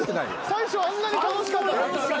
最初あんなに楽しかったのに。